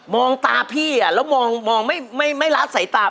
มองตาพี่แล้วมองไม่ล้าใส่ตา